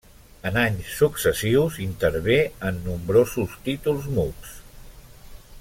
En anys successius intervé en nombrosos títols muts.